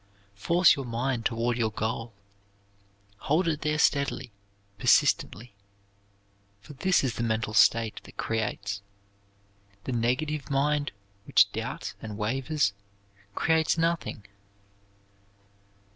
Force your mind toward your goal; hold it there steadily, persistently, for this is the mental state that creates. The negative mind, which doubts and wavers, creates nothing.